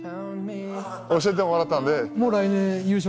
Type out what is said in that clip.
教えてもらったんで。